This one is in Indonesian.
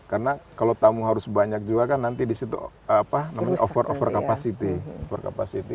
karena kalau tamu harus banyak juga kan nanti di situ over capacity